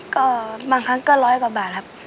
ก็บางครั้งก็ร้อยกว่าบาทครับ